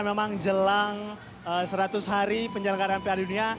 memang jelang seratus hari penyelenggaraan piala dunia